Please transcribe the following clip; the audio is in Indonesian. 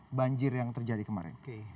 apa sih banjir yang terjadi kemarin